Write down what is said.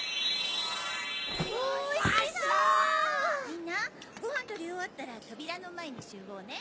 みんなごはん取り終わったら扉の前に集合ね。